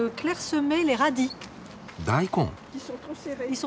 大根。